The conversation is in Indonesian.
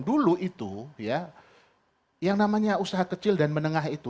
dulu itu ya yang namanya usaha kecil dan menengah itu